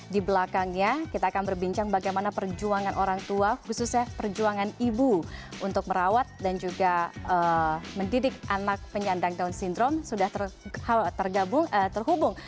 di belakangnya kita akan berbincang bagaimana perjuangan orang tua khususnya perjuangan ibu untuk merawat dan juga mendidik anak penyandang down syndrome sudah terhubung